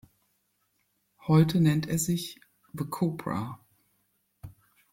Heute nennt er sich „The Cobra“.